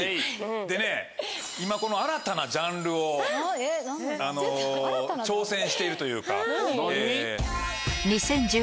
でね今新たなジャンルを挑戦しているというか。